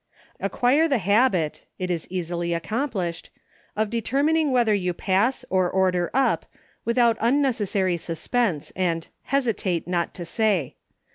Acquire the habit — it is easily accomplished — of determining whether you pass, or order up, without unnecessary suspense, and " hesi tate not to say."